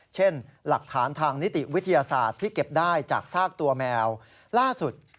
เช่นหลักฐานทางนิติวิทยาศาสตร์ที่เก็บได้จากซากตัวแมวล่าสุด